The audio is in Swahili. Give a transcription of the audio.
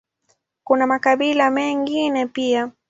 Kuna makabila mengine pia.